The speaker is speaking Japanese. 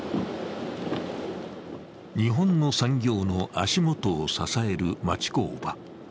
日本の産業の足元を支える町工場。